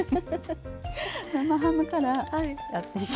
生ハムからやっていきますね。